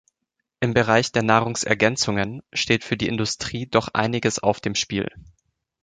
Im Bereich der Nahrungsergänzungen steht für der Industrie doch Einiges auf dem Spiel.